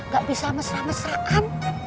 gak bisa mesra mesraan